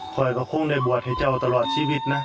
คอยก็คงได้บวชให้เจ้าตลอดชีวิตนะ